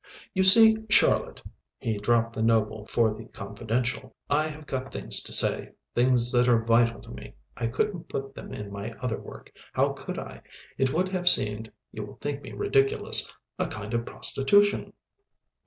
"You see, Charlotte," he dropped the noble for the confidential, "I have got things to say, things that are vital to me. I couldn't put them in my other work. How could I? It would have seemed you will think me ridiculous a kind of prostitution."